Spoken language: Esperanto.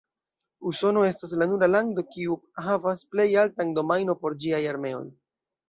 Usono estas la nura lando kiu havas plejalta domajno por ĝiaj armeoj.